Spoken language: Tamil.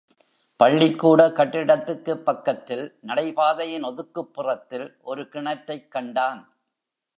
பள்ளிக்கூட கட்டிடத்துக்குப் பக்கத்தில் நடைபாதையின் ஒதுக்குப்புறத்தில் ஒரு கிணற்றைக் கண்டான்.